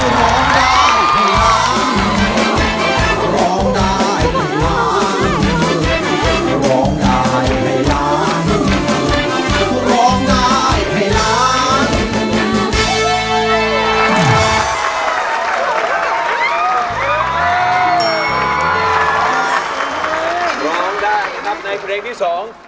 ร้องได้ครับในเพลงที่สอง